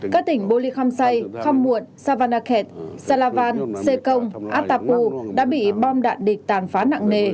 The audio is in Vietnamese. các tỉnh bô lê kham say kham muộn savannakhet salavan sê công atapu đã bị bom đạn địch tàn phá nặng nề